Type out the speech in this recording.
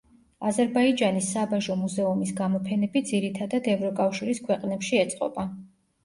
აზერბაიჯანის საბაჟო მუზეუმის გამოფენები ძირითადად ევროკავშირის ქვეყნებში ეწყობა.